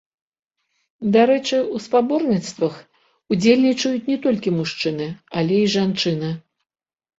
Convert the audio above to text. Дарэчы, у спаборніцтвах удзельнічаюць не толькі мужчыны, але і жанчыны.